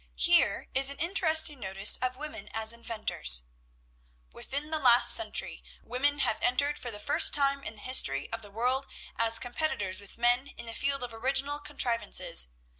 Here is an interesting notice of women as inventors: 'Within the last century, women have entered for the first time in the history of the world as competitors with men in the field of original contrivances.